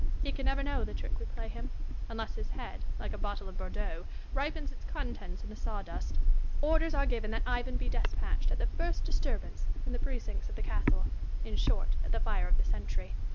He can never know the trick we play him ; unless his head, like a bottle of Bordeaux, ripens its contents in the sawdust. Orders are 94 IMAGINARY CONVERSATIONS. given that Ivan be despatched at the first disturbance in the precincts of the castle ; in short, at the fire of the sentry.